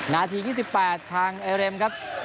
นาที๒๘ทางเอเรมครับ